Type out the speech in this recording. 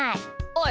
おい！